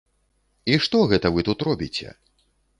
І што гэта вы тут робіце?